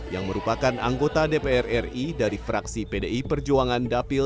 yang merupakan anggota dpr ri dari fraksi pdi perjuangan dapil